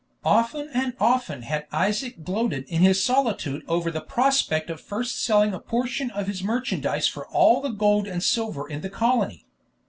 Often and often had Isaac gloated in his solitude over the prospect of first selling a portion of his merchandise for all the gold and silver in the colony.